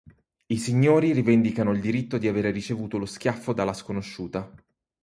I signori rivendicano il diritto di avere ricevuto lo schiaffo dalla sconosciuta.